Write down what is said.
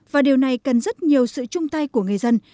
và điều này cần rất nhiều sự chung tay của người dân